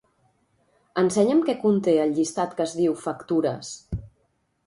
Ensenya'm què conté el llistat que es diu "factures".